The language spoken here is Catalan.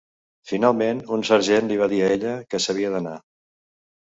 Finalment, un sergent li va dir a ella que s'havia d'anar.